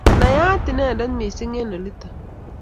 inayat inendet missing eng olito